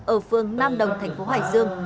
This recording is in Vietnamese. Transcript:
ở phương nam đồng thành phố hải dương